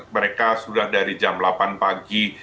mereka sudah dari jam delapan pagi